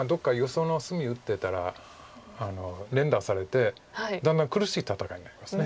その隅打ってたら連打されてだんだん苦しい戦いになります。